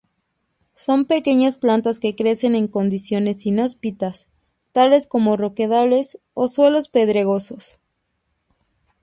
Son pequeñas plantas que crecen en condiciones inhóspitas, tales como roquedales o suelos pedregosos.